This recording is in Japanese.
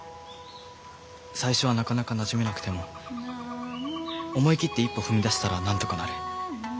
最初はなかなかなじめなくても思い切って一歩踏み出したらなんとかなる。